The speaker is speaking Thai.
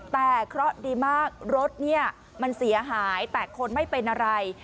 แต่เคราะห์ดีมากรถเนี่ยมันเสียหายแต่คนไม่เป็นอะไร